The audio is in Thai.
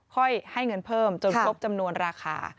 ให้เงินเพิ่มจนครบจำนวนราคา